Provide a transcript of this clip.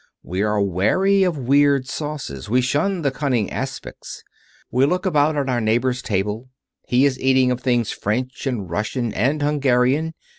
We are wary of weird sauces. We shun the cunning aspics. We look about at our neighbor's table. He is eating of things French, and Russian and Hungarian.